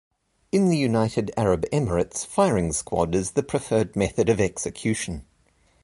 In the United Arab Emirates, firing squad is the preferred method of execution.